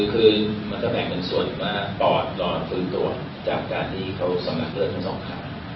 คือมันจะแบ่งเป็นส่วนมากปอดนอนฟื้นตัวจากการที่เขาสำนักเลือดทั้งสองขา